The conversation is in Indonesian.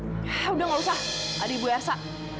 udah nggak usah ada ibu ersa